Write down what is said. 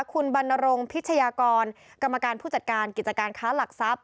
คุณบรรณรงคิชยากรกรรมการผู้จัดการกิจการค้าหลักทรัพย